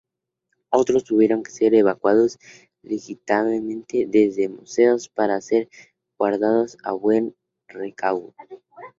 Otros tuvieron que ser evacuados legítimamente desde museos para ser guardados a buen recaudo.